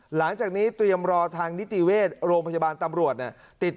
หลังจากนี้เตรียมรอทางนิติเวชโรงพยาบาลตำรวจติดต่อ